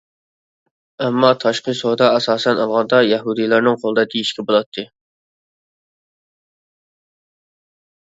ئەمما تاشقى سودا ئاساسەن ئالغاندا يەھۇدىيلارنىڭ قولىدا دېيىشكە بولاتتى.